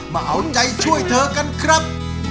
มาเอาใจช่วยเธอกันครับ